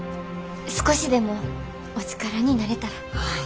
少しでもお力になれたら。